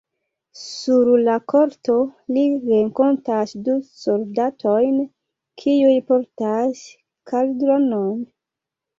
Sur la korto li renkontas du soldatojn, kiuj portas kaldronon.